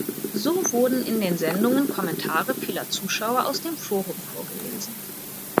So wurden in den Sendungen Kommentare vieler Zuschauer aus dem Forum vorgelesen.